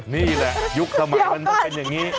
นี่แหละยุคสมัยมันต้องเป็นอย่างนี้